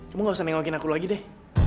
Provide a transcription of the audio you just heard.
kamu gak usah nengokin aku lagi deh